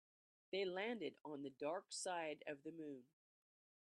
They landed on the dark side of the moon.